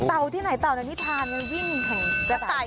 เต่าที่ไหนเต่าในนิษฐานมันวิ่งของกระต่าย